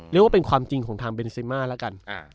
เรียกว่าเป็นความจริงของทางเบนซิมาแล้วกัน